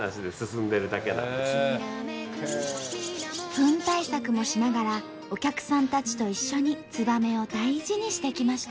フン対策もしながらお客さんたちと一緒にツバメを大事にしてきました。